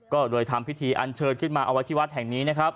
ก็โดยทำพิธีอันเชิญขึ้นมาอวัฒิวัฒน์แห่งนี้